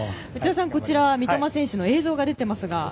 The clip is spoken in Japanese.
こちら三笘選手の映像が出ていますが。